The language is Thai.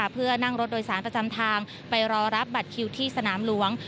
เพื่อนั่งรถโดยสารประจำทางไปรอรับบัตรคิวที่สนามหลวง